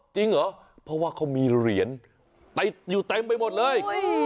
จริงเหรอเพราะว่าเขามีเหรียญติดอยู่เต็มไปหมดเลย